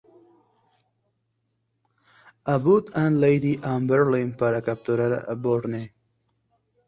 Abbott y Landy van a Berlín para capturar a Bourne.